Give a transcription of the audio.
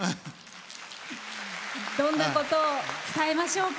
どんなことを伝えましょうか？